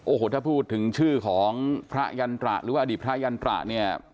โอ้โหถ้าพูดถึงชื่อของพระยันตระหรือว่าอดีตพระยันตระเนี่ย